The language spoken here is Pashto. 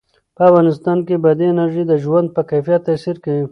په افغانستان کې بادي انرژي د ژوند په کیفیت تاثیر کوي.